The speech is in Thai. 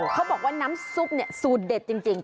เขาบอกว่าน้ำซุปสูตรเด็ดจริง